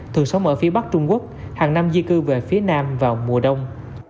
thường sống ở phía bắc trung quốc hàng năm di cư về phía nam vào mùa đông